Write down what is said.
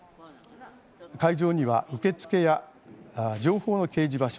会場には受付や情報の掲示場所